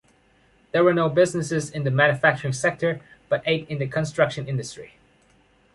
There were no businesses in the manufacturing sector, but eight in the construction industry.